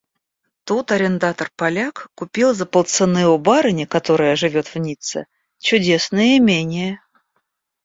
Тут арендатор-Поляк купил за полцены у барыни, которая живет в Ницце, чудесное имение.